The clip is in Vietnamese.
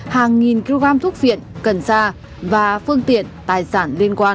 hàng nghìn kg thuốc viện cần sa và phương tiện tài sản liên quan